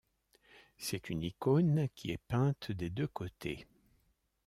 C'est une icône qui est peinte des deux côtés.